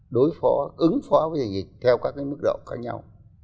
đối phó ứng phó với dịch theo các mức độ khác nhau